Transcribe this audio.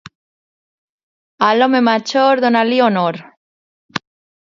A l'home major, dona-li honor.